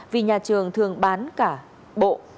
vì nhà trường thường bán cả bộ